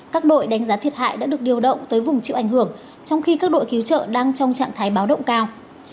các đội đánh giá thiệt hại đã được điều động tới vùng chịu ảnh hưởng trong khi các đội cứu trợ đang trong trạng thái báo động cao